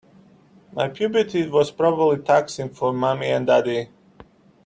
My puberty was probably taxing for mommy and daddy.